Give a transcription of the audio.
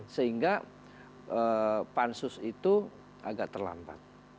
sehingga pansus itu agak terlambat